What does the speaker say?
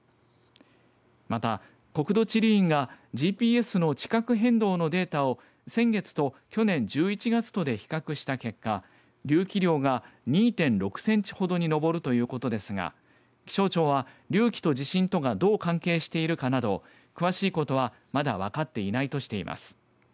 また、国土地理院がＧＰＳの地殻変動のデータを先月と去年１１月とで比較した結果隆起量が２．６センチほどに上るということですが気象庁は、隆起と地震とがどう関係しているかなど詳しいことはまだ分かっていないとしています。